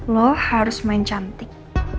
lu harus main cantik